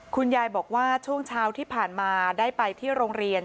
คุณยายบอกว่าช่วงเช้าที่ผ่านมาได้ไปที่โรงเรียน